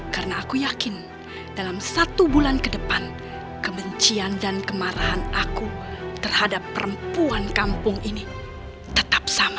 karena aku yakin dalam satu bulan ke depan kebencian dan kemarahan aku terhadap perempuan kampung ini tetap sama